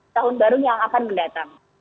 tahun baru yang akan mendatang